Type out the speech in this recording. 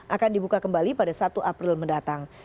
akan dibuka kembali pada satu april mendatang